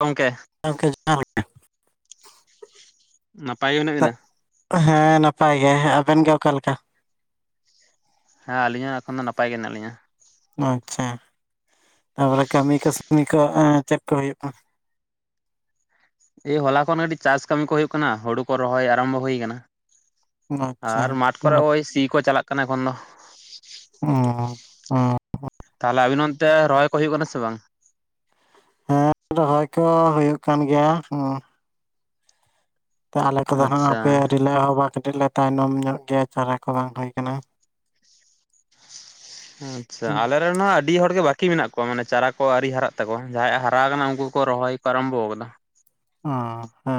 ᱜᱚᱢᱠᱮ ᱜᱚᱢᱠᱮ ᱡᱚᱦᱟᱨ ᱜᱮ ᱱᱟᱯᱟᱭ ᱜᱮ ᱢᱮᱱᱟᱜ ᱵᱮᱱᱟ? ᱦᱮᱸ ᱱᱟᱯᱟᱭ ᱜᱮ ᱟᱵᱮᱱ ᱜᱮ ᱚᱠᱟᱞᱮᱠᱟ ᱦᱮᱸ ᱟᱹᱞᱤᱧ ᱦᱚ ᱮᱠᱷᱚᱱ ᱫᱚ ᱱᱟᱯᱟᱭ ᱜᱮ ᱢᱮᱱᱟᱜᱱᱟᱜ ᱞᱤᱧᱟ ᱟᱪᱪᱷᱟ᱾ ᱛᱟᱯᱚᱨᱮ ᱠᱟᱹᱢᱤ ᱠᱟᱹᱥᱢᱤ ᱠᱚ ᱪᱮᱫ ᱠᱚ ᱦᱩᱭᱩᱜᱼᱟ ᱠᱟᱱᱟ ᱮᱭ ᱦᱚᱞᱟ ᱠᱷᱚᱱ ᱠᱟᱹᱴ ᱪᱟᱥ ᱠᱟᱹᱢᱤ ᱠᱚ ᱦ ᱦᱩᱭᱩᱜᱜ ᱠᱟᱱᱟ ᱦᱳᱲᱩ ᱠᱚ ᱨᱚᱦᱚᱭ ᱟᱨᱟᱢᱵᱷᱚ ᱦᱩᱭᱩ ᱟᱠᱟᱱᱟ᱾ ᱟᱪᱪᱷᱟ ᱟᱨ ᱢᱟᱴᱷ ᱠᱚᱨᱮ ᱦᱩᱸ ᱳᱭ ᱥᱤ ᱠᱚ ᱪᱟᱞᱟᱜ ᱠᱟᱱᱟ ᱮᱠᱷᱚᱱ ᱫᱚ [unintelligible] ᱛᱟᱦᱚᱞᱮ ᱟᱵᱤᱱ ᱚᱱᱛᱮ ᱨᱚᱦᱚᱭ ᱠᱚ ᱦᱩᱭᱩᱜ ᱠᱟᱱᱟ ᱥᱮ ᱵᱟᱝ ᱦᱮᱸ ᱨᱚᱦᱚᱭ ᱠᱚ ᱦᱩᱭᱩᱜ ᱠᱟᱱ ᱜᱮᱭᱟ ᱦᱩᱸ ᱛᱚ ᱟᱞᱮ ᱠᱚᱫᱚ ᱦᱜ ᱟᱪᱪᱷᱟ ᱟᱯᱮ ᱨᱤᱞᱟᱹ ᱦᱚᱸ ᱵᱟ ᱠᱟᱹᱴᱤᱡ ᱞᱮ ᱛᱟᱭᱱᱚᱢ ᱧᱚᱜ ᱜᱮᱭᱟ ᱪᱟᱨᱟ ᱠᱚ ᱵᱟᱝ ᱦᱩᱭ ᱟᱠᱟᱱᱟ ᱟᱪᱪᱷᱟ ᱟᱞᱮ ᱟᱞᱮ ᱨᱮᱱ ᱦᱚᱸ ᱟᱹᱰᱤ ᱦᱚᱲᱜᱮ ᱵᱟᱠᱤ ᱢᱮᱱᱟᱜ ᱠᱚᱣᱟ ᱢᱟᱱᱮ ᱪᱟᱨᱟ ᱠᱚ ᱟᱹᱨᱤ ᱦᱟᱨᱟᱜ ᱛᱟᱠᱚᱣᱟ ᱡᱟᱦᱟᱸᱭᱟᱜ ᱦᱟᱨᱟ ᱟᱠᱟᱱᱟ ᱩᱱᱠᱩ ᱠᱚ ᱨᱚᱦᱚᱭ ᱠᱚ ᱟᱨᱟᱢᱵᱷᱚ ᱟᱠᱟᱫᱟ ᱚ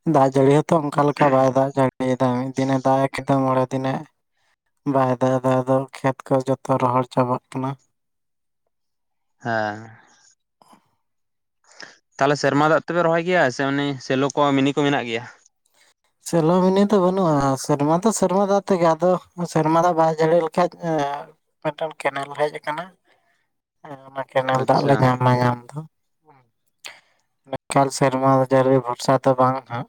ᱦᱮᱸ ᱫᱟᱜ ᱡᱟᱹᱲᱤ ᱦᱛᱚ ᱚᱱᱠᱟ ᱞᱮᱠᱟ ᱵᱟᱭ ᱫᱟᱜ ᱡᱟᱹᱲᱤ ᱱᱤᱭᱟ ᱫᱟᱜ ᱢᱤᱫ ᱫᱤᱱᱮ ᱫᱟᱜ ᱠᱮᱫᱟ, ᱢᱚᱬᱮ ᱫᱤᱱᱮ ᱵᱟᱭ ᱫᱟᱜ ᱫᱚ ᱠᱷᱮᱛ ᱠᱚ ᱡᱚᱛᱚ ᱨᱚᱦᱚᱲ ᱪᱟᱵᱟᱜ ᱠᱟᱱᱟ᱾ ᱦᱮᱸ ᱛᱟᱦᱚᱞᱮ ᱥᱮᱨᱢᱟ ᱫᱟᱜ ᱛᱮᱯᱮ ᱨᱚᱦᱚᱭ ᱜᱮᱭᱟ ᱥᱮ ᱥᱮᱞᱚ ᱠᱚ ᱢᱤᱱᱤ ᱠᱚ ᱢᱮᱱᱟᱜ ᱜᱮᱭᱟ᱾ ᱥᱮᱞᱳ ᱢᱤᱱᱤ ᱫᱚ ᱵᱟᱹᱱᱩᱜᱼᱟ, ᱥᱮᱨᱢᱟ ᱫᱚ ᱥᱮᱨᱢᱟ ᱫᱟᱜ ᱛᱮᱜᱮ ᱟᱫᱚ ᱥᱮᱨᱢᱟ ᱫᱟᱜ ᱵᱟᱭ ᱡᱟᱹᱲᱤ ᱞᱮᱠᱷᱟᱡ ᱢᱤᱫᱴᱟᱝ ᱠᱮᱱᱮᱞ ᱦᱮᱡ ᱟᱠᱟᱱᱟ, ᱚᱱᱟ ᱠᱮᱱᱮᱞ ᱫᱟᱜ ᱟᱪᱪᱷᱟ ᱞᱮ ᱧᱟᱢᱟ ᱧᱟᱢ ᱫᱚ ᱮᱠᱟᱞ ᱥᱮᱨᱢᱟ ᱡᱟᱹᱨᱤ ᱵᱷᱚᱨᱥᱟ ᱫᱚ ᱵᱟᱝ ᱦᱟᱸᱜ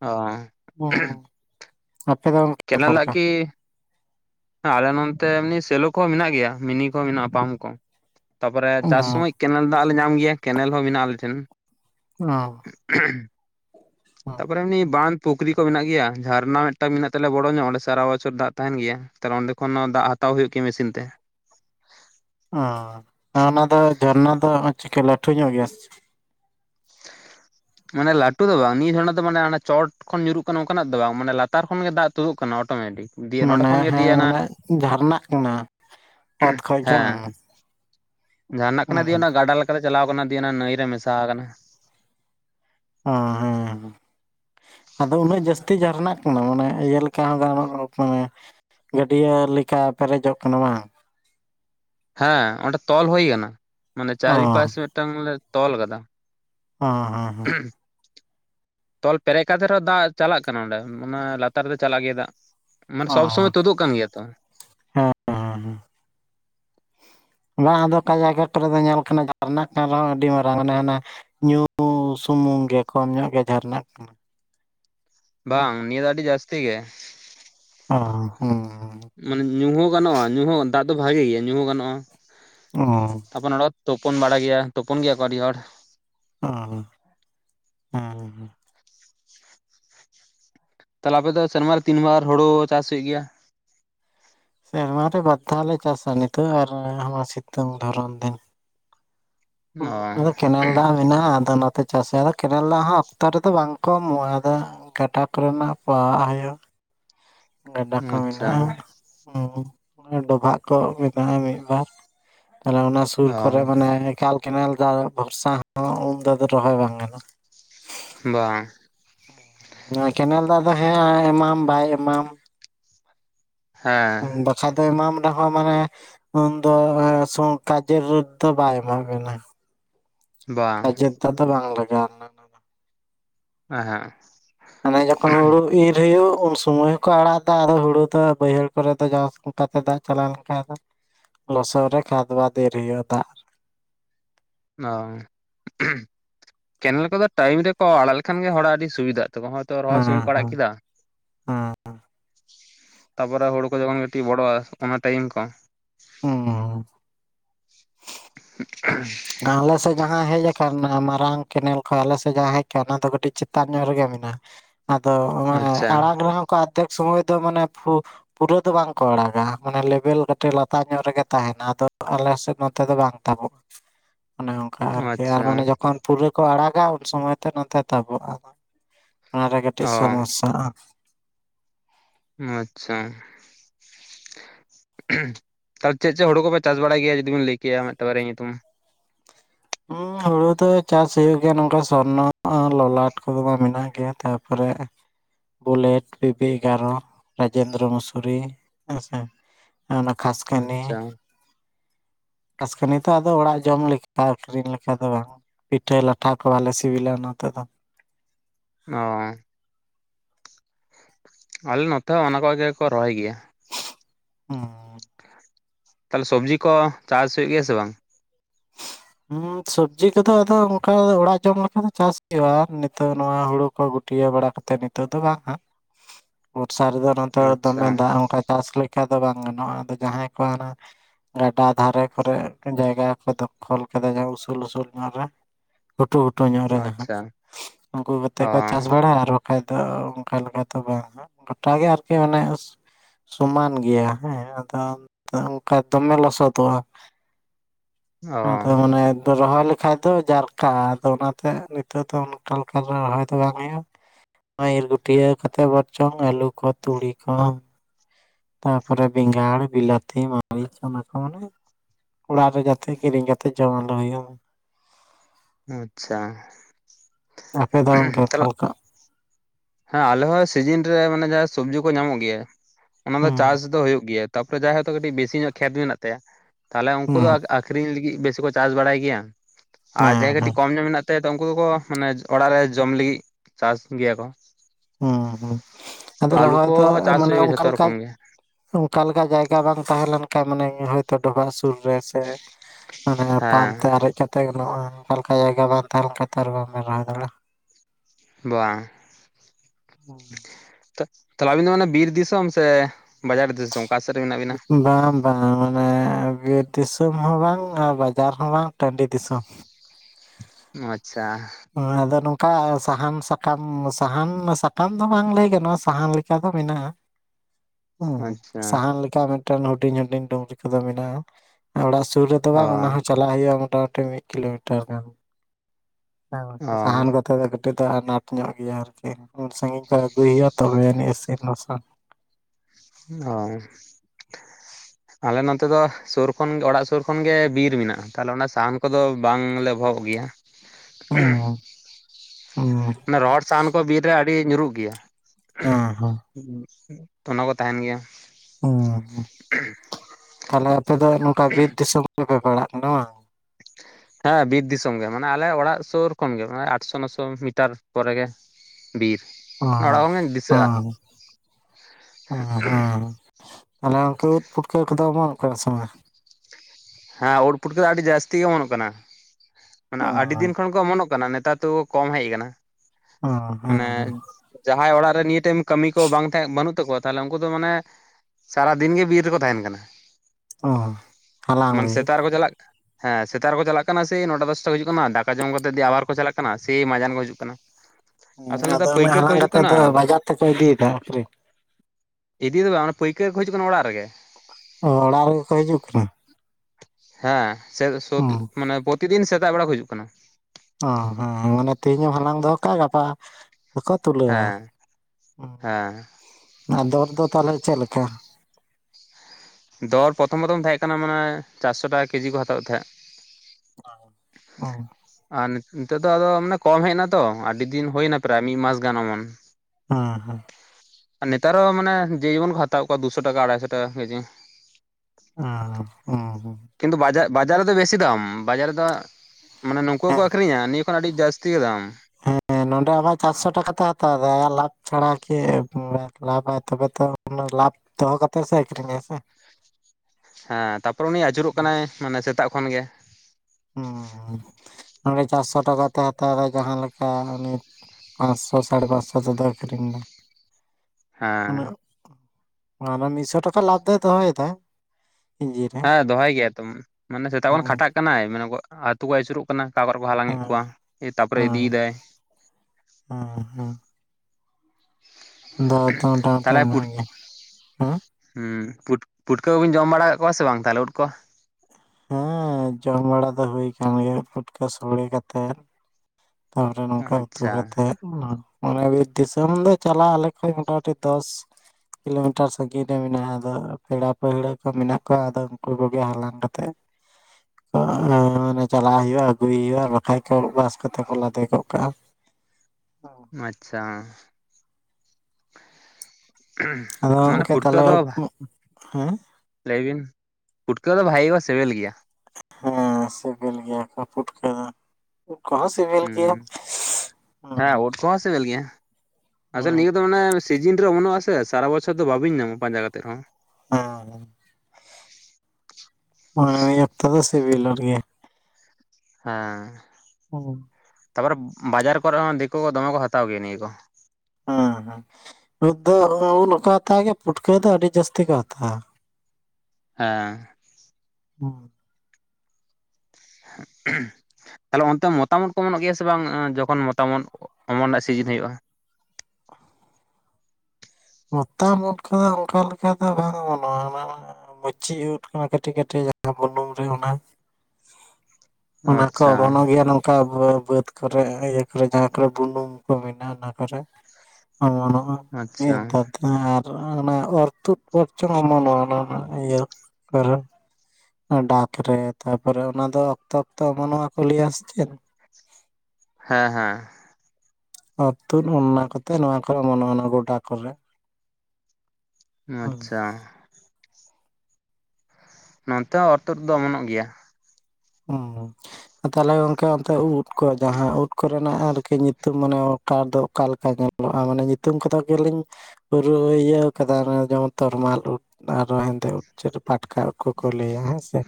ᱚ ᱩᱸ ᱟᱯᱮ ᱫᱚ ᱚᱠᱟ ᱠᱮᱱᱮᱞ ᱫᱟᱜ ᱞᱮᱠᱟ ᱠᱤ ᱮᱸ ᱟᱞᱮ ᱱᱚᱱᱛᱮ ᱮᱢᱱᱤ ᱥᱮᱞᱚ ᱠᱚᱦᱚᱸ ᱢᱮᱱᱟᱜ ᱜᱮᱭᱟ ᱢᱤᱱᱤ ᱠᱚᱦᱚᱸ ᱢᱮᱱᱟᱜᱼᱟ ᱯᱟᱢ ᱠᱚᱸ ᱛᱟᱨᱯᱚᱨᱮ ᱦᱩᱸ, ᱪᱟᱥ ᱥᱩᱢᱩᱭ ᱠᱮᱱᱮᱞ ᱫᱟᱜ ᱞᱮ ᱧᱟᱢ ᱜᱮᱭᱟ ᱠᱮᱱᱮᱞ ᱦᱚᱸ ᱢᱮᱱᱟᱜᱼᱟ ᱟᱞᱮ ᱴᱷᱮᱱ ᱩᱸ ᱛᱟᱯᱚᱨᱮ ᱮᱢᱱᱤ ᱵᱟᱸᱫ ᱯᱩᱠᱷᱨᱤ ᱠᱚ ᱢᱮᱱᱟᱜ ᱜᱮᱭᱟ ᱡᱷᱟᱨᱱᱟ ᱢᱤᱫᱴᱟᱝ ᱢᱮᱱᱟᱜ ᱛᱟᱞᱮ ᱵᱚᱲᱚ ᱧᱚᱜ ᱚᱸᱰᱮ ᱥᱟᱨᱟ ᱵᱚᱪᱷᱚᱨ ᱫᱟᱜ ᱛᱟᱦᱮᱱ ᱜᱮᱭᱟ, ᱛᱟᱦᱚᱞᱮ ᱚᱸᱰᱮ ᱠᱷᱚᱱ ᱦᱚᱸ ᱫᱟᱜ ᱦᱟᱛᱟᱣ ᱦᱩᱭᱩᱜ ᱜᱮᱭᱟ ᱠᱤ ᱢᱮᱥᱤᱱ ᱛᱮ ᱚᱸᱻ ᱚᱱᱟ ᱫᱚ ᱡᱚᱨᱱᱟ ᱫᱚ ᱪᱤᱠᱟᱹ ᱞᱟᱹᱴᱩ ᱧᱚᱜ ᱜᱮᱭᱟ [unintelligible] ᱢᱟᱱᱮ ᱞᱟᱹᱴᱩ ᱫᱚ ᱵᱟᱝ ᱱᱤᱭᱟᱹ ᱡᱷᱚᱬᱮ ᱫᱚ ᱢᱟᱱᱮ ᱪᱚᱴ ᱠᱷᱚᱱ ᱧᱩᱨᱩᱜ ᱠᱟᱱᱟ ᱚᱱᱠᱟᱱᱟᱜ ᱫᱚ ᱵᱟᱝ ᱢᱟᱱᱮ ᱞᱟᱛᱟᱨ ᱠᱷᱚᱱ ᱜᱮ ᱫᱟᱜ ᱛᱩᱫᱩᱜ ᱠᱟᱱᱟ ᱚᱴᱳᱢᱮᱴᱤᱠ ᱫᱤᱭᱮ ᱱᱚᱸᱰᱮ ᱢᱟᱱᱮ ᱠᱷᱚᱱ ᱜᱮ ᱦᱮᱸ ᱫᱤᱭᱮ ᱚᱱᱟ ᱢᱟᱱᱮ ᱡᱷᱟᱨᱱᱟᱜ ᱠᱟᱱᱟ ᱚᱛ ᱠᱷᱚᱡ ᱜᱮ ᱩᱸ [inaudible] ᱡᱷᱟᱨᱱᱟ ᱠᱟᱱᱟ ᱫᱤᱭᱮ ᱚᱱᱟ ᱜᱟᱰᱟ ᱞᱮᱠᱟᱨᱮ ᱪᱟᱞᱟᱣ ᱟᱠᱟᱱᱟ ᱫᱤᱭ ᱚᱱᱟ ᱱᱟᱹᱭ ᱨᱮ ᱢᱮᱥᱟ ᱟᱠᱟᱱᱟ ᱚᱸ ᱦᱮᱸ ᱟᱫᱚ ᱩᱱᱟᱹᱜ ᱡᱟᱹᱥᱛᱤ ᱡᱷᱟᱨᱱᱟᱜ ᱠᱟᱱᱟ ᱢᱟᱱᱮ ᱤᱭᱟᱹ ᱞᱮᱠᱟ ᱦᱚᱸ ᱜᱟᱱᱚᱜ ᱢᱟᱱᱮ ᱜᱟᱹᱰᱭᱟᱹᱞᱮᱠᱟ ᱯᱮᱨᱮᱡᱚᱜ ᱠᱟᱱᱟ ᱵᱟᱝ ᱦᱮᱸ ᱚᱸᱰᱮ ᱛᱚᱞ ᱦᱩᱭ ᱟᱠᱟᱱᱟ, ᱢᱟᱱᱮ ᱚ ᱪᱟᱨᱤᱯᱟᱥ ᱢᱤᱫᱴᱟᱝ ᱞᱮ ᱛᱚᱞ ᱟᱠᱟᱫᱟ ᱚᱸ ᱦᱚ ᱛᱚᱞ ᱯᱮᱨᱮᱜ ᱠᱟᱛᱮ ᱨᱮᱦᱚ ᱫᱟᱜ ᱪᱟᱞᱟᱜ ᱠᱟᱱᱟ ᱚᱸᱰᱮ ᱚᱱᱟ ᱞᱟᱛᱟᱨ ᱪᱟᱞᱟᱜ ᱜᱮᱭᱟ ᱫᱟᱜ ᱢᱟᱱᱮ ᱚ ᱥᱚᱵᱽ ᱥᱚᱢᱚᱭ ᱛᱩᱫᱩᱜ ᱠᱟᱱ ᱜᱮᱭᱟ ᱛᱚᱸ ᱦᱮᱸ ᱦᱮᱸ ᱵᱟᱝ ᱟᱫᱚ ᱚᱠᱟ ᱡᱟᱭᱜᱟ ᱠᱚᱨᱮ ᱫᱚ ᱧᱮᱞ ᱠᱷᱟᱱᱮ ᱡᱷᱟᱨᱱᱟᱜ ᱠᱟᱱ ᱨᱮᱦᱚᱸ ᱟᱹᱰᱤ ᱢᱟᱨᱟᱝ ᱚᱱᱮ ᱦᱟᱱᱟ ᱧᱩᱻ ᱩ ᱥᱩᱢᱩᱝ ᱜᱮ ᱠᱚᱢ ᱧᱚᱜ ᱜᱮ ᱡᱷᱟᱨᱱᱟᱜ ᱠᱟᱱᱟ ᱦᱩᱸ ᱵᱟᱝ ᱱᱤᱭᱟᱹ ᱫᱚ ᱟᱹᱰᱤ ᱡᱟᱹᱥᱛᱤ ᱜᱮ [unintelligible] ᱢᱟᱱᱮ ᱧᱩ ᱦᱚᱸ ᱜᱟᱱᱚᱜᱼᱟ ᱧᱩ ᱦᱚᱸ ᱫᱟᱜ ᱫᱚ ᱵᱷᱟᱜᱮ ᱜᱮᱭ ᱧᱩ ᱦᱚᱸ ᱜᱟᱱᱚᱜᱼᱟ᱾ ᱚ ᱛᱟᱨᱯᱚᱨ ᱚᱰᱮ ᱛᱩᱯᱩᱱ ᱵᱟᱲᱟ ᱜᱮᱭᱟ ᱛᱩᱯᱩᱱ ᱜᱮᱭᱟ ᱠᱚ ᱟᱹᱰᱤ ᱦᱚᱲ ᱚᱸ ᱛᱟᱦᱚᱞᱮ ᱟᱯᱮ ᱫᱚ ᱥᱮᱨᱢᱟᱨ ᱛᱤᱱᱵᱟᱨ ᱦᱩᱲᱩ ᱪᱟᱥ ᱦᱩᱭᱩᱜ ᱜᱮᱭᱟ? ᱥᱮᱨᱢᱟᱨ ᱨᱮ ᱵᱟᱨᱫᱷᱟᱣ ᱞᱮ ᱪᱟᱥᱟ ᱱᱤᱛᱚᱜ ᱟᱨ ᱱᱚᱣᱟ ᱥᱤᱛᱩᱝ ᱫᱷᱚᱨᱚᱱ ᱫᱤᱱ ᱩᱸᱦᱩᱸ ᱚ ᱠᱮᱱᱮᱞ ᱫᱟᱜ ᱢᱮᱱᱟᱜᱼᱟ ᱟᱫᱚ ᱱᱚᱛᱮ ᱪᱟᱹᱥᱮ ᱨᱮ ᱠᱮᱱᱮᱞ ᱫᱟᱜ ᱦᱚᱸ ᱚᱠᱛᱚ ᱨᱮᱫᱚ ᱵᱟᱝ ᱠᱚ ᱮᱢᱚᱜᱼᱟ ᱟᱫᱚ ᱜᱟᱰᱟ ᱠᱚᱨᱮᱱᱟᱜ ᱯᱟᱣᱟᱜ ᱦᱩᱭᱩᱜ ᱜᱟᱰᱟ ᱠᱚ ᱟᱪᱪᱷᱟ ᱢᱮᱱᱟᱜᱼᱟ᱾ ᱦᱩᱸ ᱰᱚᱵᱷᱟᱜ ᱠᱚ ᱢᱮᱱᱟᱜᱼᱟ ᱢᱤᱫ ᱵᱟᱨ ᱛᱟᱞᱦᱮ ᱚᱱᱟᱼᱼ ᱥᱩᱨ ᱠᱚᱨᱮ ᱚ ᱢᱟᱱᱮ ᱮᱠᱟᱞ ᱠᱮᱱᱮᱞ ᱵᱷᱚᱨᱥᱟ ᱦᱚᱸ ᱩᱱ ᱫᱚ ᱟᱫᱚ ᱨᱚᱦᱚᱭ ᱵᱟᱝ ᱜᱟᱱᱚᱜ - ᱟ ᱵᱟᱝ ᱱᱚᱣᱟ ᱠᱮᱱᱮᱞ ᱫᱟᱜ ᱫᱚ ᱦᱮᱸ ᱦᱟᱸ ᱮᱢᱟᱢ ᱵᱟᱭ ᱮᱢᱟᱢ ᱦᱮᱸ ᱦᱩᱸᱰᱚᱠ [unintelligible] ᱥᱟᱫᱚ ᱮᱢᱟᱢ ᱨᱮᱦᱚᱸ ᱢᱟᱱᱮ ᱩᱱᱤᱫᱚ ᱫᱚᱠ ᱠᱟᱪᱮ ᱨᱩᱯ ᱫᱚ ᱵᱟᱭ ᱮᱢᱟᱵᱮᱱᱟ ᱵᱟᱝ ᱠᱟᱡᱮᱨ ᱛᱟᱫᱚ ᱵᱟᱝ ᱜᱟᱱ ᱞᱟᱜᱟᱣ ᱱᱟ ᱦᱟᱸ ᱦᱟᱸ ᱦᱟᱱᱮ ᱡᱚᱠᱷᱚᱱ ᱦᱩᱲᱩᱩᱢ ᱤᱨ ᱦᱩᱭᱭᱩᱜ ᱩᱱ ᱥᱚᱢᱚᱭ ᱦᱚᱸᱠᱚ ᱟᱲᱟᱜ ᱫᱟ ᱟᱫᱚ ᱦᱩᱲᱩ ᱫᱚ ᱵᱟᱹᱭᱦᱟᱹᱲ ᱠᱚᱨᱮ ᱫᱚ ᱡᱚᱠ ᱠᱚ ᱠᱟᱛᱮ ᱫᱟᱜ ᱪᱟᱞᱟᱣ ᱞᱮᱱᱠᱷᱟᱱ ᱟᱫᱚ ᱞᱚᱥᱚᱫ ᱨᱮ ᱠᱷᱟᱫᱽ ᱵᱟᱫᱽ ᱤᱨ ᱦᱩᱭᱩᱜᱼᱟ ᱫᱟᱜ ᱚᱸ ᱠᱮᱱᱮᱞ ᱠᱚᱫᱚ ᱴᱟᱭᱤᱢ ᱨᱮᱠᱚ ᱟᱲᱟᱜ ᱞᱮᱠᱷᱟᱱ ᱜᱮ ᱦᱚᱲᱟᱜ ᱟᱹᱰᱤ ᱥᱩᱵᱤᱫᱷᱟᱜ ᱛᱟᱠᱚᱣᱟ ᱛᱚ ᱨᱚᱦᱚᱭ ᱦᱮᱸ ᱥᱚᱢᱚᱭ ᱠᱚ ᱟᱲᱟᱜ ᱦᱮᱸ ᱠᱮᱫᱟ ᱛᱟᱯᱚᱨᱮ ᱦᱩᱲᱩ ᱠᱚ ᱡᱚᱠᱷᱚᱱ ᱜᱤᱴᱤᱜ ᱵᱚᱲᱚᱜᱼᱟ ᱚᱱᱟ ᱴᱟᱭᱤᱢ ᱠᱚ ᱦᱩᱸ [inaudible] [unintelligible] ᱟᱞᱮ ᱥᱮᱫ ᱡᱟᱦᱟᱸ ᱦᱮᱡ ᱟᱠᱟᱱ ᱢᱟᱨᱟᱝ ᱠᱮᱱᱮᱞ ᱠᱷᱚᱡ ᱟᱞᱮ ᱥᱮᱫ ᱡᱟᱦᱟᱸ ᱦᱮᱡ ᱟᱠᱟᱱᱟ ᱚᱱᱟ ᱫᱚ ᱠᱟᱹᱴᱤᱡ ᱪᱮᱛᱟᱱ ᱧᱚᱜ ᱨᱮᱜᱮ ᱢᱮᱱᱟᱜᱼᱟ ᱟᱫᱚ ᱢᱟᱱᱮ ᱟᱪᱪᱷᱟ ᱟᱲᱟᱠ ᱨᱮᱦᱚᱸ ᱠᱚ ᱟᱫᱷᱮᱠ ᱥᱚᱢᱚᱭ ᱫᱚ ᱢᱟᱱᱮ ᱯᱩᱨᱟᱹ ᱫᱚ ᱵᱟᱝᱠᱚ ᱟᱲᱟᱜᱟ ᱢᱟᱱᱮ ᱞᱮᱵᱮᱞ ᱠᱟᱹᱴᱤᱡ ᱞᱟᱛᱟᱨ ᱧᱚᱜ ᱨᱮᱜᱮ ᱛᱟᱦᱮᱱᱟ ᱟᱫᱚ ᱟᱞᱮ ᱥᱮᱫ ᱱᱚᱛᱮ ᱫᱚ ᱵᱟᱝ ᱛᱟᱵᱚᱜᱼᱟ ᱚᱱᱮ ᱚᱱᱠᱟ ᱟᱨᱠᱤ ᱟᱨ ᱟᱪᱪᱷᱟ ᱢᱟᱱᱮ ᱡᱚᱠᱷᱚᱱ ᱯᱩᱨᱟᱹ ᱠᱚ ᱟᱲᱟᱜᱟ ᱩᱱ ᱥᱚᱢᱚᱭ ᱛᱮ ᱱᱚᱛᱮ ᱛᱟᱵᱚᱜᱼᱟ ᱚᱱᱟᱨᱮ ᱠᱟᱹᱴᱤᱡ ᱚ ᱥᱚᱢᱚᱥᱥᱟ ᱟᱪᱪᱷᱟ ᱛᱟᱦᱞᱮ ᱪᱮᱫ ᱪᱮᱫ ᱦᱩᱲᱩ ᱠᱚᱯᱮ ᱪᱟᱥ ᱵᱟᱲᱟᱭ ᱜᱮᱭᱟ ᱡᱩᱫᱤ ᱵᱮᱱ ᱞᱟᱹᱭ ᱠᱮᱭᱟ ᱢᱤᱫᱴᱟᱝ ᱵᱟᱨᱮᱭᱟ ᱧᱩᱛᱩᱢ ᱦᱮᱸ ᱦᱩᱲᱩ ᱫᱚ ᱪᱟᱥ ᱦᱩᱭᱩᱜ ᱜᱮᱭᱟ ᱱᱚᱝᱠᱟ ᱥᱚᱨᱱᱚ ᱞᱚᱞᱟᱴ ᱠᱚᱫᱚ ᱢᱟ ᱢᱮᱱᱟᱜ ᱜᱮᱭᱟ ᱛᱟᱯᱚᱨᱮ ᱵᱩᱞᱮᱴ ᱵᱤᱵᱤ ᱮᱜᱟᱨᱚ ᱨᱟᱡᱮᱱᱫᱨᱚ ᱢᱚᱥᱩᱨᱤ ᱦᱮᱸᱥᱮ ᱚᱱᱟ ᱠᱷᱟᱥᱠᱟᱱᱤ ᱟᱪᱪᱷᱟ ᱠᱷᱟᱥᱠᱟᱱᱤ ᱫᱚ ᱟᱫᱚ ᱚᱲᱟᱜ ᱡᱚᱢ ᱞᱮᱠᱟ ᱟᱹᱠᱷᱨᱤᱧ ᱞᱮᱠᱟ ᱫᱚ ᱵᱟᱝ ᱯᱤᱴᱷᱟᱹ ᱞᱟᱴᱷᱟ ᱠᱚ ᱵᱷᱟᱞᱮ ᱥᱤᱵᱤᱞᱟ ᱚᱱᱟᱛᱮ ᱫᱚ ᱚ ᱟᱞᱮ ᱱᱚᱛᱮ ᱦᱚᱸ ᱚᱱᱟ ᱠᱚᱜᱮᱠᱚ ᱨᱚᱦᱚᱭ ᱜᱮᱭᱟ ᱦᱩ ᱛᱟᱦᱚᱞᱮ ᱥᱚᱵᱽᱡᱤ ᱠᱚ ᱪᱟᱥ ᱦᱩᱭᱩᱜ ᱜᱮᱭᱟ ᱥᱮ ᱵᱟᱝ ᱦᱩᱸ ᱥᱚᱵᱽᱡᱤ ᱠᱚᱫᱚ ᱟᱫᱚ ᱚᱱᱠᱟ ᱚᱲᱟᱜ ᱡᱚᱢ ᱞᱮᱠᱟ ᱫᱚ ᱪᱟᱥ ᱦᱩᱭᱩᱜᱼᱟ ᱱᱤᱛᱚᱜ ᱱᱚᱣᱟ ᱦᱩᱲᱩ ᱠᱚ ᱜᱩᱴᱭᱟᱹ ᱵᱟᱲᱟ ᱠᱟᱛᱮ ᱱᱤᱛᱚᱜ ᱫᱚ ᱵᱟᱝᱼᱟ ᱵᱚᱨᱥᱟ ᱨᱮᱫᱚ ᱱᱚᱛᱮ ᱟᱪᱪᱷᱟ ᱫᱚᱢᱮ ᱫᱟᱜ ᱚᱱᱠᱟ ᱪᱟᱥ ᱞᱮᱠᱟ ᱫᱚ ᱵᱟᱝ ᱜᱟᱱᱚᱜᱼᱟ ᱟᱫᱚ ᱡᱟᱦᱟᱸᱭ ᱠᱚ ᱦᱟᱱᱟ ᱜᱟᱰᱟ ᱫᱷᱟᱨᱮ ᱠᱚᱨᱮ ᱡᱟᱭᱜᱟ ᱠᱚ ᱫᱚᱠᱷᱚᱞ ᱟᱠᱟᱫᱟ ᱡᱟ ᱩᱥᱩᱞ ᱩᱥᱩᱞ ᱚᱱᱟ ᱨᱮ ᱜᱷᱩᱴᱩ ᱜᱷᱩᱴᱩ ᱧᱚᱜ ᱨᱮ ᱡᱟᱦᱟ ᱟᱪᱪᱷᱟ ᱩᱱᱠᱩ ᱜᱚᱛᱮ ᱚ ᱠᱚ ᱪᱟᱥ ᱵᱟᱲᱟ ᱟᱨᱵᱟᱠ ᱵᱟᱠᱷᱟᱡ ᱫᱚ ᱚᱱᱠᱟ ᱞᱮᱠᱟ ᱛᱚ ᱵᱟᱝ ᱜᱚᱴᱟᱜᱮ ᱟᱨᱠᱤ ᱢᱟᱱᱮ ᱥᱚᱢᱟᱱ ᱜᱮᱭᱟ ᱦᱮᱸ ᱟᱫᱚ ᱚᱱᱠᱟ ᱫᱚᱢᱮ ᱞᱚᱥᱚᱫᱚᱜᱼᱟ ᱚ ᱟᱫᱚ ᱢᱟᱱᱮ ᱨᱚᱦᱚᱭ ᱞᱮᱠᱷᱟᱡ ᱟᱫᱚ ᱡᱟᱨᱠᱟᱜᱼᱟ ᱟᱫᱚ ᱚᱱᱟᱛᱮ ᱱᱤᱛᱳᱜ ᱫᱚ ᱚᱱᱠᱟ ᱞᱮᱠᱟ ᱨᱚᱦᱚᱭ ᱫᱚ ᱵᱟᱝ ᱦᱩᱭᱩᱜᱼᱟ ᱤᱨ ᱜᱩᱴᱭᱟᱹᱣ ᱠᱟᱛᱮ ᱵᱚᱨᱪᱚᱝ ᱟᱹᱞᱩ ᱠᱚ ᱛᱩᱲᱤ ᱠᱚ ᱛᱟᱯᱚᱨᱮ ᱵᱮᱸᱜᱟᱲ ᱵᱤᱞᱟᱹᱛᱤ ᱢᱟᱹᱨᱤᱪ ᱚᱱᱟ ᱠᱚ ᱢᱟᱱᱮ ᱚᱲᱟᱜ ᱨᱮ ᱡᱟᱛᱮ ᱠᱤᱨᱤᱧ ᱠᱟᱛᱮ ᱡᱚᱢ ᱟᱞᱚ ᱦᱩᱭᱩᱜ ᱟᱪᱪᱷᱟ ᱟᱯᱮ ᱫᱚ ᱜᱚᱢᱠᱮ ᱚᱠᱟ ᱛᱟᱦᱚᱞᱮ ᱞᱮᱠᱟ ᱦᱮᱸ ᱟᱞᱮ ᱦᱚᱸ ᱥᱤᱡᱤᱱ ᱨᱮ ᱢᱟᱱᱮ ᱡᱟᱦᱟᱸ ᱥᱚᱵᱽᱡᱤ ᱠᱚ ᱧᱟᱢᱚᱜ ᱜᱮᱭᱟ ᱚᱱᱟ ᱫᱚ ᱦᱩᱸ ᱪᱟᱥ ᱫᱚ ᱦᱩᱭᱩᱜ ᱜᱮᱭᱟ ᱛᱟᱯᱚᱨᱮ ᱡᱟᱸᱦᱭ ᱦᱳᱭᱛᱳ ᱠᱟᱹᱴᱤᱡ ᱵᱮᱥᱤ ᱧᱚᱜ ᱠᱷᱮᱛ ᱢᱮᱱᱟᱜ ᱛᱟᱭᱟ ᱛᱟᱦᱚᱞᱮ ᱩᱱᱠᱩ ᱫᱚ ᱦᱩᱸ ᱟᱠᱷᱨᱤᱧ ᱞᱟᱹᱜᱤᱫ ᱵᱮᱥᱤ ᱠᱚ ᱪᱟᱥ ᱵᱟᱲᱟᱭ ᱜᱮᱭᱟ ᱟᱨ ᱦᱮᱸ ᱡᱟᱦᱟᱸᱭ ᱠᱟᱹᱴᱤᱡ ᱦᱮᱸ ᱠᱚᱢ ᱧᱚᱜ ᱢᱮᱱᱟᱜ ᱛᱟᱭᱟ ᱩᱱᱠᱩ ᱫᱚᱠᱚ ᱢᱟᱱᱮ ᱚᱲᱟᱜ ᱨᱮ ᱡᱚᱢ ᱞᱟᱹᱜᱤᱫ ᱪᱟᱥ ᱜᱮᱭᱟ ᱠᱚ ᱦᱮᱸ ᱦᱮᱸ ᱟᱫᱚ ᱛᱚ ᱟᱹᱞᱩ ᱨᱚᱦᱚᱭ ᱫᱚ ᱠᱚᱦᱚᱸ ᱪᱟᱥ ᱢᱟᱱᱮ ᱦᱩᱭᱩᱜ ᱜᱮᱭᱟ ᱚᱱᱠᱟ ᱡᱷᱚᱛᱚ ᱞᱮᱠᱟ ᱨᱚᱠᱚᱢ ᱜᱮ ᱚᱱᱠᱟᱞᱮᱠᱟ ᱡᱟᱭᱜᱟ ᱵᱟᱝ ᱛᱟᱦᱮᱸ ᱞᱮᱱᱠᱷᱟᱱ ᱢᱟᱱᱮ ᱦᱚᱭᱛᱳ ᱰᱚᱵᱷᱟᱜ ᱥᱩᱨ ᱨᱮ ᱥᱮ ᱟᱱᱮ ᱧᱟᱢᱯᱟᱢ ᱛᱮ ᱦᱮᱸ ᱟᱨᱮᱡ ᱠᱟᱛᱮ ᱜᱟᱱᱚᱜᱼᱟ ᱚᱱᱠᱟ ᱞᱮᱠᱟ ᱡᱟᱭᱜᱟ ᱵᱟᱝ ᱛᱟᱦᱮᱸ ᱞᱮᱱ ᱠᱷᱟᱱ ᱟᱨ ᱵᱟᱢ ᱨᱚᱦᱚᱭ ᱫᱟᱲᱮᱭᱟᱜᱼᱟ ᱵᱟᱝ ᱛᱚ ᱛᱟᱦᱞᱮ ᱟᱵᱤᱱ ᱫᱚ ᱢᱟᱱᱮ ᱵᱤᱨ ᱫᱤᱥᱚᱢ ᱥᱮ ᱵᱟᱡᱟᱨ ᱫᱤᱥᱚᱢ ᱚᱠᱟ ᱥᱮᱫ ᱨᱮ ᱢᱮᱱᱟᱜ ᱵᱤᱱᱟ ᱵᱟᱝ ᱵᱟᱝ ᱢᱟᱱᱮ ᱵᱤᱨ ᱫᱤᱥᱚᱢ ᱦᱚᱸ ᱵᱟᱝ ᱵᱟᱡᱟᱨ ᱦᱚᱸ ᱵᱟᱝ ᱴᱟᱺᱰᱤ ᱫᱤᱥᱚᱢ ᱟᱪᱪᱷᱟ ᱟᱫᱚ ᱱᱚᱝᱠᱟ ᱥᱟᱦᱟᱱ ᱥᱟᱠᱟᱢ ᱥᱟᱦᱟᱱ ᱥᱟᱠᱟᱢ ᱫᱚ ᱵᱟᱝ ᱞᱟᱹᱭ ᱜᱟᱱᱚᱜᱼᱟ ᱥᱟᱦᱟᱱ ᱞᱮᱠᱟ ᱫᱚ ᱢᱮᱱᱟᱜᱼᱟ [inaudible] ᱦᱩᱸ ᱟᱪᱪᱷᱟ ᱥᱟᱦᱟᱱ ᱞᱮᱠᱟ ᱢᱤᱫᱴᱟᱝ ᱦᱩᱰᱤᱧ ᱦᱩᱰᱤᱧ ᱰᱩᱝᱨᱤ ᱠᱚᱫᱚ ᱢᱮᱱᱟᱜᱼᱟ ᱚᱲᱟᱜ ᱥᱩᱨ ᱨᱮ ᱛᱚ ᱚ ᱵᱟᱝ ᱚᱱᱟ ᱦᱚᱸ ᱪᱟᱞᱟᱜ ᱦᱩᱭᱩᱜᱼᱟ ᱢᱚᱴᱟ ᱢᱩᱴᱤ ᱢᱤᱫ ᱠᱤᱞᱳᱢᱤᱴᱟᱨ ᱜᱟᱱ ᱦᱮ ᱚ ᱥᱟᱦᱟᱱ ᱠᱟᱛᱮ ᱱᱮᱛᱚᱜ ᱫᱚ ᱠᱟᱹᱴᱤᱡ ᱫᱚ ᱟᱱᱟᱴ ᱧᱚᱜ ᱜᱮᱭᱟ ᱟᱨᱠᱤ ᱩᱱ ᱥᱟᱺᱜᱤᱧ ᱠᱷᱚᱱᱚᱡ ᱟᱹᱜᱩᱭ ᱦᱩᱭᱩᱜᱼᱟ ᱛᱚᱵᱮ ᱟᱹᱱᱤᱡ ᱤᱥᱤᱱ ᱵᱟᱥᱟᱝ ᱚ [inaudible] ᱟᱞᱮ ᱱᱚᱛᱮ ᱫᱚ ᱥᱩᱨ ᱠᱷᱚᱱᱜ ᱚᱲᱟᱜ ᱥᱩᱨ ᱠᱷᱚᱱᱜᱮ ᱵᱤᱨ ᱢᱮᱱᱟᱜ-ᱟ ᱛᱟᱦᱚᱞᱮ ᱚᱱᱟ ᱥᱟᱦᱟᱱ ᱠᱚᱫᱚ ᱵᱟᱝᱞᱮ ᱚᱵᱷᱟᱵᱚᱜ ᱜᱮᱭᱟ ᱦ [unintelligible] ᱦᱩᱸ ᱦᱩᱸ ᱢᱮ ᱨᱚᱦᱚᱲ ᱥᱟᱦᱟᱱ ᱠᱚ ᱵᱤᱨ ᱨᱮ ᱟᱹᱰᱤ ᱧᱩᱨᱩᱜ ᱜᱮᱭᱟ ᱦᱮᱸ ᱦᱮᱸ ᱚᱱᱟ ᱠᱚ ᱛᱟᱦᱮᱱ ᱜᱮᱭᱟ ᱦᱮᱸ ᱛᱟᱦᱞᱮ ᱟᱯᱮ ᱫᱚ ᱱᱚᱝᱠᱟ ᱵᱤᱨ ᱫᱤᱥᱚᱢ ᱜᱮᱯᱮ ᱯᱟᱲᱟᱜ ᱠᱟᱱᱟ ᱵᱟᱝ ᱦᱮᱸ ᱵᱤᱨ ᱫᱤᱥᱚᱢ ᱜᱮ ᱢᱟᱱᱮ ᱟᱞᱮ ᱚᱲᱟᱜ ᱥᱩᱨ ᱠᱷᱚᱱᱜᱮ ᱢᱟᱱᱮ ᱟᱴᱥᱚ ᱱᱚᱥᱚ ᱢᱤᱴᱟᱨ ᱯᱚᱨᱮ ᱜᱮ ᱵᱤᱨ ᱚ ᱚᱲᱟᱜ ᱠᱷᱚᱱ ᱜᱮ ᱫᱤᱥᱟᱹᱜᱼᱟ ᱦᱮᱸᱸ ᱦᱩᱸ ᱟᱞᱮ ᱚᱱᱛᱮ ᱩᱫ ᱯᱩᱴᱠᱟᱹ ᱠᱚᱫᱚ ᱟᱢᱟᱱᱚᱜ ᱠᱟᱱᱟ ᱥᱮ ᱵᱟᱝ ᱦᱮᱸ ᱳᱫᱯᱩᱴᱠᱚ ᱫᱚ ᱟᱹᱰᱤ ᱡᱟᱹᱥᱛᱤ ᱜᱮ ᱮᱢᱚᱱᱚᱜ ᱠᱟᱱᱟ ᱢᱟᱱᱮ ᱟᱹᱰᱤ ᱫᱤᱱ ᱠᱷᱚᱱ ᱠᱚ ᱚᱢᱚᱱᱚᱜ ᱠᱟᱱᱟ ᱱᱮᱛᱟᱨ ᱫᱚ ᱠᱚᱢ ᱦᱮᱡ ᱟᱠᱟᱱᱟ ᱚ ᱦᱮᱸ ᱢᱟᱱᱮ ᱦᱮᱸ ᱡᱟᱦᱟᱸᱭ ᱚᱲᱟᱜ ᱨᱮ ᱱᱤᱭᱟᱹ ᱴᱟᱭᱤᱢ ᱠᱟᱹᱢᱤ ᱠᱚ ᱵᱟᱝ ᱛᱟᱦᱮᱸ ᱵᱟᱹᱱᱩᱜ ᱛᱟᱠᱚᱣᱟ ᱛᱟᱦᱞᱮ ᱩᱱᱠᱩ ᱫᱚ ᱢᱟᱱᱮ ᱥᱟᱨᱟᱫᱤᱱ ᱜᱮ ᱵᱤᱨ ᱨᱮᱠᱚ ᱛᱟᱦᱮᱱ ᱠᱟᱱᱟ ᱚ ᱦᱟᱞᱟᱝ ᱢᱟᱱᱮ ᱞᱟᱹᱜᱤᱫ ᱥᱮᱛᱟᱜ ᱨᱮᱠᱚ ᱪᱟᱞᱟᱜ ᱠᱟᱱᱟ ᱦᱮᱸ ᱥᱮᱛᱟᱟᱜ ᱨᱮᱠᱚ ᱪᱟᱞᱟ ᱠᱟᱱᱟ ᱥᱮ ᱱᱚᱰᱮ ᱫᱚᱥ ᱦᱤᱡᱩᱜ ᱠᱟᱱᱟ ᱫᱟᱠᱟ ᱡᱚᱢ ᱠᱟᱛᱮ ᱟᱵᱟᱨ ᱠᱚ ᱪᱟᱞᱟᱜ ᱠᱟᱱᱟ ᱥᱮᱭ ᱢᱟᱡᱟᱱ ᱠᱚ ᱦᱤᱡᱩᱜ ᱠᱟᱱᱟ ᱦᱮ ᱟᱥᱚᱞ ᱟᱫᱚ ᱱᱮᱛᱟᱨ ᱚᱱᱟ ᱯᱟᱹᱭᱠᱟᱹᱨ ᱠᱚ ᱦᱟᱞᱟᱝ ᱦᱤᱡᱩᱜ ᱠᱟᱛᱮᱫ ᱠᱟᱱᱟ ᱫᱚ ᱵᱟᱡᱟᱨ ᱛᱮᱠᱚ ᱤᱫᱤᱭᱮᱫᱟ ᱟᱹᱠᱨᱤᱧ ᱤᱫᱤᱫᱚ ᱵᱟᱝ ᱚᱱᱟ ᱯᱟᱹᱭᱠᱟᱹᱨ ᱠᱚ ᱦᱤᱡᱩᱜ ᱠᱟᱱᱟ ᱚᱲᱟᱜ ᱨᱮᱜᱮ ᱚ ᱚᱲᱟᱜ ᱨᱮᱜᱮ ᱠᱚ ᱦᱤᱡᱩᱜ ᱠᱟᱱᱟ ᱦᱮᱸ ᱦᱩᱸ ᱢᱟᱱᱮ ᱯᱨᱚᱛᱤᱫᱤᱱ ᱥᱮᱛᱟᱜ ᱵᱮᱲᱟ ᱠᱚ ᱦᱤᱡᱩᱜ ᱠᱟᱱᱟ ᱚ ᱦᱮᱸ ᱢᱟᱱᱮ ᱛᱮᱦᱤᱧ ᱦᱚᱸ ᱦᱟᱞᱟᱝ ᱫᱚᱦᱚ ᱠᱟᱜ-ᱟ ᱜᱟᱯᱟ ᱵᱟᱠᱚ ᱛᱩᱞᱟᱹᱣᱟ ᱦᱮᱸ ᱦᱮᱸ ᱟᱨ ᱫᱚᱨ ᱫᱚ ᱛᱟᱦᱚᱞᱮ ᱪᱮᱫᱮ ᱞᱮᱠᱟ ᱫᱚᱨ ᱯᱨᱚᱛᱷᱚᱢ ᱯᱨᱚᱛᱷᱚᱢ ᱛᱟᱦᱮᱸ ᱠᱟᱱᱟ ᱢᱟᱱᱮ ᱪᱟᱨᱥᱚ ᱴᱟᱠᱟ ᱠᱮᱡᱤ ᱠᱚ ᱦᱟᱛᱟᱣᱮᱫ ᱛᱟᱦᱮᱸᱫ ᱟᱨ [inaudible] ᱚ ᱟᱨ ᱱᱤᱛᱚᱜ ᱫᱚ ᱟᱫᱚ ᱢᱟᱱᱮ ᱠᱚᱢ ᱦᱮᱡ ᱮᱱᱟ ᱛᱚ ᱟᱰᱤᱫᱤᱱ ᱦᱩᱭ ᱮᱱᱟ ᱯᱨᱟᱭ ᱢᱤᱫ ᱢᱟᱥ ᱜᱟᱱ ᱚᱢᱚᱱ ᱦᱮᱸ ᱦᱮᱸ ᱟᱨ ᱱᱮᱛᱟᱨ ᱦᱚᱸ ᱢᱟᱱᱮ ᱡᱮ ᱡᱮᱢᱚᱱ ᱠᱚ ᱦᱟᱛᱟᱣᱮᱫ ᱠᱚᱣᱟ ᱫᱩᱥᱚ ᱴᱟᱠᱟ ᱟᱲᱟᱭᱥᱚ ᱴᱟᱠᱟ ᱠᱮᱡᱤ ᱚ ᱦᱩ ᱠᱤᱱᱛᱩ ᱵᱟᱡᱟᱨ ᱨᱮᱫᱚ ᱵᱮᱥᱤ ᱫᱟᱢ ᱵᱟᱡᱟᱨ ᱨᱮᱫᱚ ᱢᱟᱱᱮ ᱱᱩᱠᱩ ᱦᱚᱸᱠᱚ ᱦᱮᱸ ᱟᱹᱠᱷᱨᱤᱧᱟ ᱱᱤᱭᱟᱹ ᱛᱚᱠᱷᱚᱱ ᱟᱹᱰᱤ ᱡᱟᱹᱥᱛᱤ ᱜᱮ ᱫᱟᱢ ᱦᱮᱸ ᱱᱚᱰᱮ ᱟᱢᱟᱜ ᱪᱟᱨᱥᱚ ᱴᱟᱠᱟᱛᱮᱭ ᱦᱟᱛᱟᱣ ᱫᱟ ᱟᱭᱟᱜ ᱞᱟᱵᱷ ᱪᱷᱟᱲᱟ ᱠᱤ ᱞᱟᱵᱷᱟᱭ ᱛᱚᱵᱮ ᱛᱚ ᱚᱱᱟ ᱞᱟᱵᱷ ᱛᱚ ᱠᱟᱛᱮ ᱥᱮ ᱟᱠᱨᱤᱭ ᱟᱭ ᱥᱮ ᱦᱮᱸ ᱛᱟᱨᱯᱚᱨ ᱩᱱᱤ ᱟᱹᱪᱩᱨᱚᱜ ᱠᱟᱱᱟᱭ ᱢᱟᱱᱮ ᱥᱮᱛᱟᱜ ᱠᱷᱚᱱ ᱜᱮ ᱦᱮᱸ ᱱᱚᱸᱰᱮ ᱪᱟᱨᱥᱚ ᱴᱟᱠᱟᱛᱮᱭ ᱦᱟᱛᱟᱣ ᱡᱟᱦᱟᱸᱞᱮᱠᱟ ᱩᱱᱤ ᱯᱟᱸᱥᱥᱚ ᱥᱟᱲᱮ ᱯᱟᱸᱥᱥᱚ ᱛᱮᱫᱚ ᱟᱠᱨᱤᱧ ᱢᱮ ᱩᱱᱟᱹᱜ ᱦᱮᱸ ᱢᱟᱱᱮ ᱢᱤᱜᱥᱚ ᱴᱟᱠᱟ ᱞᱟᱵᱷ ᱫᱚᱭ ᱫᱚᱦᱚᱭᱮᱫᱟᱭ ᱦᱮᱸ ᱫᱚᱦᱚᱭ ᱜᱮᱭᱟ ᱛᱚ ᱢᱟᱱᱮ ᱥᱮᱛᱟᱜ ᱠᱷᱚᱱ ᱦᱩᱸ ᱠᱷᱟᱴᱟᱜ ᱠᱟᱱᱟᱭ ᱢᱟᱱᱮ ᱛᱩᱵᱩ ᱟᱹᱪᱩᱨᱚᱜ ᱠᱟᱱᱟ ᱠᱟ ᱠᱨᱮ ᱠᱚ ᱦᱟᱞᱟᱝ ᱮᱫ ᱦᱮᱸ ᱠᱚᱣᱟ ᱛᱟᱯᱚᱨᱮ ᱤᱫᱤᱭᱮᱫᱟᱭ ᱚ ᱦᱩᱸ ᱫᱚ ᱛᱚ ᱴᱟᱢᱴᱟ ᱛᱟᱦᱚᱞᱮ ᱯᱩᱴ ᱚᱱᱟᱜᱮ ᱦᱩᱸ ᱦᱩᱸ ᱯᱩᱴ ᱯᱩᱴᱠᱟᱹ ᱠᱚᱵᱤᱱ ᱡᱚᱢ ᱵᱟᱲᱟ ᱠᱟᱜ ᱠᱚᱣᱟ ᱥᱮ ᱵᱟᱝ ᱛᱟᱞᱮ ᱩᱴ ᱠᱚ? ᱦᱩᱸ ᱡᱚᱢ ᱵᱟᱲᱟ ᱫᱚ ᱦᱩᱭ ᱟᱠᱟᱱ ᱜᱮᱭᱟ ᱯᱷᱩᱴᱠᱟᱹ ᱥᱳᱲᱮ ᱠᱟᱛᱮᱫ ᱛᱟᱯᱚᱨᱮ ᱱᱚᱝᱠᱟ ᱩᱛᱩ ᱟᱪᱪᱷᱟ ᱠᱟᱛᱮᱫ ᱢᱚᱱᱮ ᱵᱤᱨ ᱫᱤᱥᱚᱢ ᱫᱚ ᱪᱟᱞᱟᱜ ᱟᱞᱮ ᱠᱷᱚᱡ ᱢᱚᱴᱟᱢᱩᱴᱤ ᱫᱚᱥ ᱠᱤᱞᱳᱢᱤᱴᱟᱨ ᱥᱟᱺᱜᱤᱧ ᱨᱮ ᱢᱮᱱᱟᱜ-ᱟ ᱟᱫᱚ ᱯᱮᱲᱟ ᱯᱟᱹᱷᱲᱟᱹ ᱠᱚ ᱢᱮᱱᱟᱜ ᱠᱚᱣᱟ ᱟᱫᱚ ᱩᱱᱠᱩ ᱠᱚᱜᱮ ᱦᱟᱞᱟᱝ ᱠᱟᱛᱮ ᱚᱻ ᱢᱟᱱᱮ ᱪᱟᱞᱟᱣ ᱦᱩᱭᱩᱜ-ᱟ ᱟᱹᱜᱩᱭ ᱦᱩᱭᱩᱜ-ᱟ ᱵᱟᱠᱷᱟᱭ ᱠᱚ ᱵᱟᱥ ᱠᱟᱛᱮ ᱠᱚ ᱞᱟᱫᱮ ᱜᱚᱜ ᱠᱟᱜ-ᱟ ᱟᱪᱪᱷᱟ ᱟᱫᱚ ᱢᱟᱱᱮ ᱜᱚᱝᱠᱮ ᱯᱩᱴᱠᱟᱹ ᱛᱟᱦᱚᱞᱮ ᱫᱚ ᱦᱮᱸ ᱞᱟᱹᱭ ᱵᱤᱱ, ᱯᱩᱴᱠᱟᱹ ᱫᱚ ᱵᱷᱟᱜᱮ ᱜᱮ ᱠᱚ ᱥᱮᱵᱮᱞ ᱜᱮᱭᱟ ᱦᱮᱸ ᱥᱤᱵᱤᱞ ᱜᱮᱭᱟ ᱠᱟ ᱯᱩᱴᱠᱟᱹ ᱫᱚ ᱩᱫ ᱠᱚᱦᱚᱸ ᱥᱤᱵᱤᱞ ᱜᱮᱭᱟ ᱦᱩᱸ ᱦᱮᱸ ᱩᱫ ᱠᱚᱦᱚᱸ ᱥᱤᱵᱤᱞ ᱜᱮᱭᱟ ᱟᱥᱚᱞ ᱦᱮᱸ ᱱᱤᱭᱟᱹ ᱫᱚ ᱢᱟᱱᱮ ᱥᱤᱡᱤᱱ ᱨᱮ ᱚᱢᱚᱱᱚᱜ -ᱟ ᱥᱮ ᱥᱟᱨᱟ ᱵᱚᱪᱷᱚᱨ ᱫᱚ ᱵᱟᱵᱤᱱ ᱧᱟᱢᱟ ᱯᱟᱸᱡᱟ ᱠᱟᱛᱮᱫ ᱦᱚᱸ ᱦᱮᱸ ᱚᱸ ᱡᱷᱚᱛᱚ ᱫᱚ ᱥᱤᱵᱤᱞ ᱟᱣᱨᱤᱭᱟ ᱦᱮᱸ [inaudible] ᱛᱟᱯᱚᱨᱮ ᱵᱟᱡᱟᱨ ᱠᱚᱨᱮᱜ ᱦᱚᱸ ᱫᱮᱠᱩ ᱠᱚ ᱫᱚᱢᱮ ᱠᱚ ᱦᱟᱛᱟᱣ ᱜᱮᱭᱟ ᱱᱤᱭᱟᱹ ᱠᱚ ᱦᱩᱸ ᱦᱩᱸ ᱱᱤᱛ ᱫᱚᱜᱼ ᱦᱟᱛᱟᱣ ᱜᱮ ᱯᱩᱴᱠᱟᱹ ᱫᱚ ᱟᱹᱰᱤ ᱡᱟᱹᱥᱛᱤ ᱠᱚ ᱦᱟᱛᱣᱟ ᱦᱮᱸ ᱦᱩᱸ [unintelligible] ᱛᱟᱦᱞᱮ ᱚᱱᱛᱮ ᱢᱚᱛᱟᱢᱚᱱ ᱠᱚ ᱚᱢᱚᱱᱚᱜ ᱜᱮᱭᱟ ᱥᱮ ᱵᱟᱝ ᱡᱚᱠᱷᱚᱱ ᱢᱚᱛᱟᱢᱚᱱ ᱚᱢᱚᱱ ᱨᱮᱱᱟᱜ ᱥᱤᱡᱤᱱ ᱦᱩᱭᱩᱜᱼᱟ? ᱢᱚᱛᱟᱢᱚᱛ ᱠᱚᱫᱚ ᱚᱝᱠᱟ ᱞᱮᱠᱟ ᱫᱚ ᱵᱟᱝ ᱚᱢᱚᱱᱜᱼᱟ ᱵᱹᱪᱤ ᱩᱫ ᱠᱟᱱᱟ ᱠᱟᱹᱴᱤᱡᱼ ᱠᱟᱹᱴᱤᱡ ᱡᱟᱦᱟᱸ ᱵᱩᱞᱩᱝ ᱨᱮ ᱚᱱᱟ ᱚᱱᱟ ᱠᱚ ᱟᱪᱪᱷᱟ ᱵᱚᱱᱚᱩ ᱜᱮᱭᱟ ᱱᱚᱠ ᱠᱟ ᱵᱟᱹᱫ ᱠᱚᱨᱮ ᱤᱭᱟᱹ ᱠᱚᱨᱮ ᱡᱟᱦᱟᱸ ᱠᱚᱨᱮ ᱵᱩᱱᱩᱝ ᱠᱚ ᱢᱮᱱᱟᱜᱼᱟ ᱚᱱᱟ ᱠᱚᱨᱮ ᱚᱢᱚᱱᱜᱼᱟ, ᱟᱪᱪᱷᱟ ᱷᱩᱸ ᱟᱨ ᱚᱱᱟ ᱚᱨ ᱛᱩᱫ ᱵᱚᱨᱪᱚᱢ ᱚᱢᱚᱱ ᱚᱜ -ᱟ ᱚᱱᱟ ᱨᱮᱱᱟᱜ ᱰᱟᱠ ᱨᱮ ᱛᱟᱯᱚᱨᱮ ᱚᱱᱟ ᱫᱚ ᱚᱠᱛᱚ ᱚᱠᱛᱚ ᱚᱢᱱᱚᱜᱼᱟ ᱠᱚ ᱞᱟᱹᱭᱟ ᱥᱮ ᱪᱮᱫ? ᱦᱮᱸ ᱦᱮᱸ ᱚᱨ ᱛᱩᱫ ᱚᱱᱱᱟ ᱠᱚᱛᱮ ᱱᱚᱣᱟ ᱠᱚ ᱚᱢᱚᱱᱚᱜ-ᱟ ᱚᱱᱟ ᱜᱚᱰᱟ ᱠᱚᱨᱮ ᱦᱩᱸ ᱟᱪᱪᱷᱟ ᱱᱚᱱᱛᱮ ᱦᱚᱸ ᱚᱨ ᱛᱳᱫ ᱫᱚ ᱚᱢᱚᱱᱚᱜ ᱜᱮᱭᱟ ᱦᱩᱸ ᱛᱟᱦᱚᱞᱮ ᱜᱚᱝᱠᱮ ᱚᱱᱛᱮ ᱩᱫ ᱠᱚ ᱡᱟᱦᱟᱸ ᱩᱫ ᱠᱚᱨᱮᱱᱟᱜ ᱟᱨᱠᱤ ᱧᱩᱛᱩᱢ ᱢᱟᱱᱮ ᱚᱠᱟ ᱫᱚ ᱚᱠᱟ ᱞᱮᱠᱟ ᱧᱮᱞᱚᱜ-ᱟ ᱵᱷᱚᱨᱟ ᱢᱟᱱᱮ ᱜᱮᱛᱚ ᱩᱝᱠᱩ ᱫᱚ ᱟᱜᱮ ᱞᱤᱧ ᱯᱩᱨᱟᱹ ᱤᱭᱟᱹᱣ ᱠᱟᱫᱟ ᱡᱮᱢᱚᱱ ᱛᱚᱨᱢᱟᱞ ᱩᱫ ᱟᱨᱚ ᱦᱮᱸᱫᱮ ᱩᱫ ᱪᱮᱫ ᱯᱟᱴᱠᱟ ᱩᱫ ᱠᱚᱠᱚ ᱞᱟᱹᱭᱟ ᱦᱮᱸ ᱥᱮ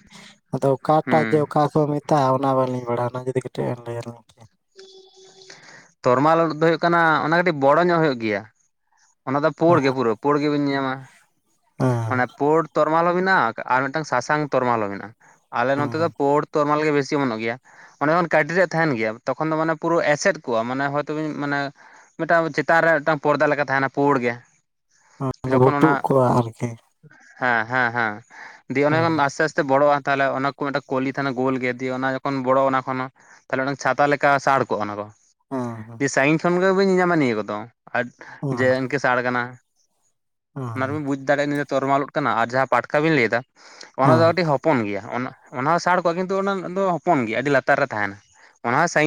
ᱟᱫᱚ ᱚᱠᱟᱴᱟᱜ ᱡᱮ ᱦᱩᱸ᱾ ᱚᱠᱟ ᱠᱚ ᱢᱮᱛᱟᱜᱼᱟ ᱚᱱᱟ ᱵᱟᱟᱹᱞᱤᱧ ᱵᱟᱲᱟᱜᱼᱟ ᱚᱱᱟ ᱡᱩᱫᱤ ᱠᱟᱹᱴᱤᱡ ᱮᱢ ᱞᱟᱹᱭᱟᱞᱤᱧ ᱛᱚᱨᱢᱟᱞ ᱳᱫ ᱫᱚ ᱦᱩᱭᱩᱜ ᱠᱟᱱᱟ ᱚᱱᱟ ᱠᱟᱹᱴᱤᱡ ᱵᱚᱲᱚ ᱧᱚᱜ ᱦᱩᱭᱩᱜ ᱜᱮᱭᱟ ᱚᱱᱟ ᱫᱚ ᱯᱩᱲ ᱦᱮᱸ ᱜᱮ ᱯᱩᱨᱟᱹ ᱯᱳᱲ ᱜᱮᱵᱤᱱ ᱧᱮᱭᱟᱢ-ᱟ ᱦᱮᱸ ᱚᱱᱮ ᱯᱩᱲ ᱛᱚ ᱛᱚᱨᱢᱟᱞ ᱦᱚᱸ ᱢᱮᱱᱟᱜᱼᱟ ᱟᱨ ᱢᱤᱫᱴᱟᱝ ᱥᱟᱥᱟᱝ ᱛᱚᱨᱢᱟᱞ ᱦᱚᱸ ᱢᱮᱱᱟᱜᱼᱟ ᱟᱞᱮ ᱱᱚᱛᱮ ᱫᱚ ᱦᱮᱸ ᱯᱳᱲ ᱛᱚᱨᱢᱟᱞ ᱜᱮ ᱵᱮᱥᱤ ᱚᱢᱚᱱᱚᱜ ᱜᱮᱭᱟ ᱚᱱᱮ ᱚᱱᱠᱟ ᱟᱹᱰᱤ ᱰᱮᱨ ᱛᱟᱦᱮᱱ ᱜᱮᱭᱟ ᱛᱚᱠᱷᱚᱱ ᱫᱚ ᱢᱟᱱᱮ ᱯᱩᱨᱟᱹ ᱮᱥᱮᱫ ᱠᱚᱜᱼᱟ ᱢᱟᱱᱮ ᱦᱚᱭᱛᱳ ᱢᱟᱱᱮ ᱢᱤᱫᱴᱟᱝ ᱪᱮᱛᱟᱱ ᱨᱮ ᱢᱤᱫᱴᱟᱝ ᱯᱚᱲᱫᱟ ᱞᱮᱠᱟ ᱛᱟᱦᱮᱱᱟ ᱯᱩᱲ ᱜᱮ ᱡᱚᱠᱷᱚᱱ ᱵᱷᱩᱴᱩᱜ ᱚᱱᱟ ᱠᱚ ᱟᱨᱠᱤ ᱦᱮᱸ ᱦᱮᱸ ᱦᱮᱸ ᱫᱤᱭᱮ ᱦᱮᱸ ᱚᱱᱮ ᱟᱥᱛᱮ ᱟᱥᱛᱮ ᱵᱚᱲᱚᱜᱼᱟ ᱛᱟᱦᱚᱞᱮ ᱚᱱᱟ ᱢᱤᱫᱴᱟᱝ ᱠᱚᱞᱤ ᱛᱟᱦᱮᱱᱟ ᱜᱳᱞ ᱜᱮ ᱡᱩᱫᱤ ᱚᱱᱟ ᱡᱚᱠᱷᱚᱱ ᱵᱚᱲᱚ ᱚᱱᱟ ᱠᱷᱚᱱ ᱛᱟᱦᱚᱞᱮ ᱪᱷᱟᱛᱟ ᱞᱮᱠᱟ ᱥᱟᱲ ᱠᱚᱜᱼᱟ ᱚᱱᱟ ᱫᱚ ᱦᱮᱸ ᱡᱮ ᱥᱟᱺᱜᱤᱧ ᱠᱷᱚᱱ ᱜᱮ ᱵᱟᱹᱧ ᱧᱮᱧᱟᱢᱟ ᱱᱤᱭᱟᱹ ᱠᱚᱫᱚ ᱟᱨ ᱡᱮ ᱦᱮᱸ ᱤᱱᱠᱟᱹ ᱥᱟᱲ ᱠᱟᱱᱟ ᱦᱮᱸ ᱚᱱᱟ ᱨᱮᱵᱮᱱ ᱵᱩᱡᱽ ᱫᱟᱲᱮᱭᱟᱜᱼᱟ ᱱᱤᱭᱟᱹ ᱫᱚ ᱛᱚᱨᱢᱟᱲ ᱩᱫ ᱠᱟᱱᱟ ᱟᱨ ᱡᱟᱦᱟᱸ ᱯᱟᱴᱠᱟ ᱵᱤᱱ ᱞᱟᱹᱭ ᱮᱟ ᱚᱱᱟ ᱦᱮᱸ ᱫᱚ ᱠᱟᱹᱴᱤᱡᱽ ᱦᱚᱯᱚᱱ ᱦᱚᱯᱚᱱ ᱜᱮᱭᱟ ᱚᱱᱟ ᱦᱚᱸ ᱥᱟᱲ ᱠᱚᱜᱼᱟ ᱠᱤᱱᱛᱩ ᱚᱱᱟ ᱫᱚ ᱦᱚᱯᱚᱱ ᱜᱮᱭᱟ ᱟᱹᱰᱤ ᱞᱟᱛᱟᱨ ᱨᱮ ᱛᱟᱦᱮᱱᱟ ᱚᱱᱟ ᱦᱚᱸ ᱥᱟᱸ